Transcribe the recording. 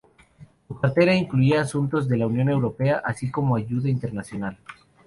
Su cartera incluía asuntos de la Unión Europea, así como ayuda internacional.